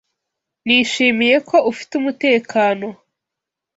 Nishimiye ko ufite umutekano.